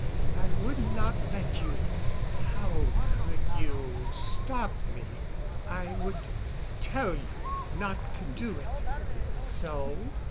I would not let you." "How could you stop me?" "I would tell you not to do it." "So?"